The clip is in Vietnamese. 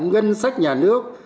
ngân sách nhà nước